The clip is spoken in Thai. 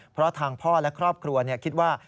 เพราะทางพ่อและครอบครัวคิดว่า